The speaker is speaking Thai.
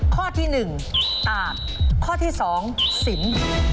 ข้อที่๑อ่ะข้อที่๒ศิลป์